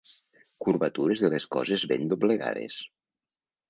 Curvatures de les coses ben doblegades.